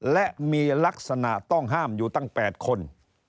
และมีลักษณะต้องห้ามอยู่ตั้ง๘คน